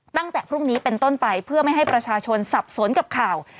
ตั้งแต่พรุ่งนี้เป็นต้นไปเพื่อไม่ให้ประชาชนสับสนกับข่าว